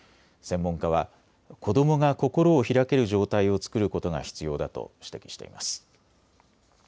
専門家は子どもが心を開ける状態を作ることが必要だと指摘しています。